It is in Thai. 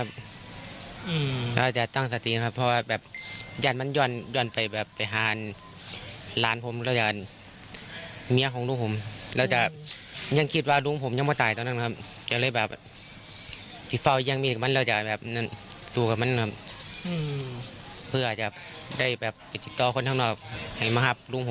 แบบติดต่อคนข้างหน้าให้มาครับลุงผมไปโรงพยาบาลให้ทันนะครับ